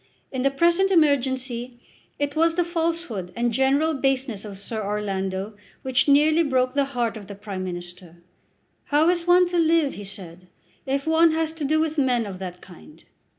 In the present emergency, it was the falsehood and general baseness of Sir Orlando which nearly broke the heart of the Prime Minister. "How is one to live," he said, "if one has to do with men of that kind?"